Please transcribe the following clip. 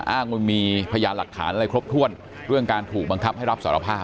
อ้างว่ามีพยานหลักฐานอะไรครบถ้วนเรื่องการถูกบังคับให้รับสารภาพ